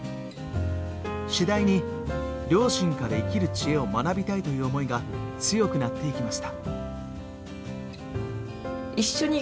次第に両親から生きる知恵を学びたいという思いが強くなっていきました。